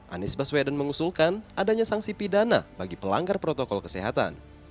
anies baswedan mengusulkan adanya sanksi pidana bagi pelanggar protokol kesehatan